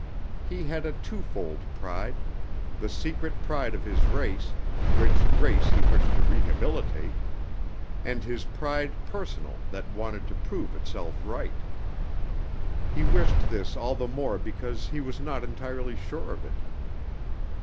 He had a twofold pride, the secret pride of his race, which race he wished to rehabilitate, and his pride personal that wanted to prove itself right. He wished this all the more because he was not entirely sure of it.